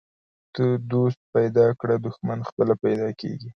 ته دوست پیدا کړه، دښمن پخپله پیدا کیږي.